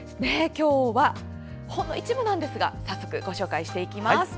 今日はほんの一部ですが早速ご紹介していきます。